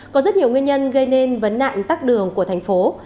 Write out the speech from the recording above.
có rất nhiều nguyên nhân gây nên vấn nạn tắc đường của thành phố